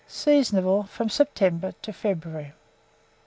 Seasonable from September to February.